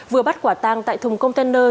vừa bắt quả tang tại thùng container